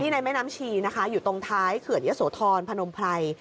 ในแม่น้ำชีนะคะอยู่ตรงท้ายเขื่อนยะโสธรพนมไพร